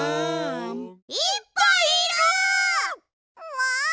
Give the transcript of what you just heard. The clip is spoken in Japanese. もう！